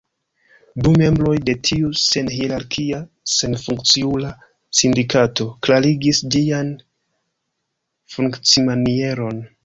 Du membroj de tiu senhierarkia, senfunkciula sindikato klarigis ĝian funkcimanieron.